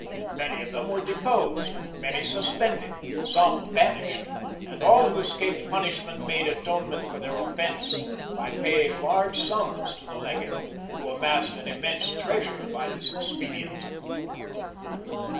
[*] Many of them were deposed; many suspended; some banished; and all who escaped punishment made atonement for their offence, by paying large sums to the legate, who amassed an immense treasure by this expedient.